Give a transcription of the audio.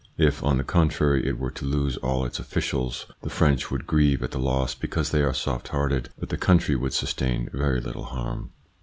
If on the contrary it were to lose all its officials, the French would grieve at the loss because they are soft hearted, but the country would sustain very little harm."